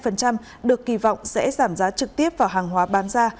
việc giảm thuế vat hai được kỳ vọng sẽ giảm giá trực tiếp vào hàng hóa bán ra